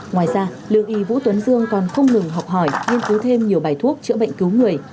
ngoài ra lương y vũ tuấn dương còn không ngừng học hỏi nghiên cứu thêm nhiều bài thuốc chữa bệnh cứu người